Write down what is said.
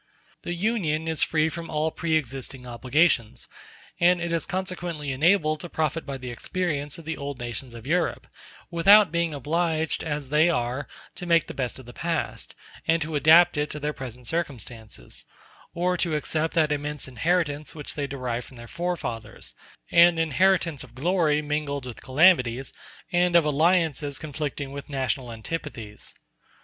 The Union is free from all pre existing obligations, and it is consequently enabled to profit by the experience of the old nations of Europe, without being obliged, as they are, to make the best of the past, and to adapt it to their present circumstances; or to accept that immense inheritance which they derive from their forefathers—an inheritance of glory mingled with calamities, and of alliances conflicting with national antipathies.